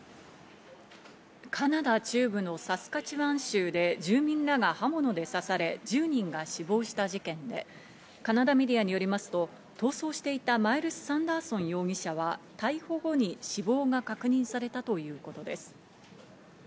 カナダ中部のサスカチワン州で住民らが刃物で刺され１０人が死亡した事件で、カナダメディアによりますと、逃走していたマイルス・サンダーソン容疑者は、逮捕後に死亡が確認されたということです。